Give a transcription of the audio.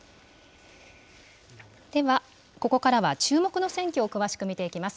では、ここからは注目の選挙を詳しく見ていきます。